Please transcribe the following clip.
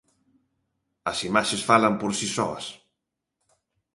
As imaxes falan por si soas.